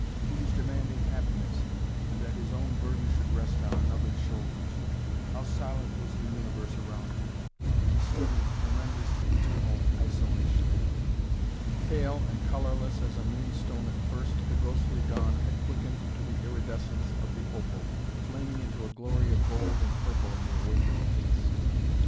He was demanding happiness, and that his own burden should rest on another's shoulders. How silent was the universe around him! He stood in tremendous, eternal isolation. Pale and colorless as a moonstone at first the ghostly dawn had quickened to the iridescence of the opal, flaming into a glory of gold and purple in the awakening east.